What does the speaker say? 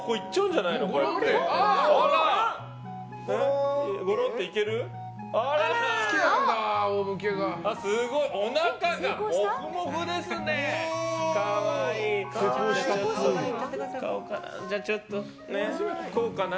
じゃあちょっと、こうかな。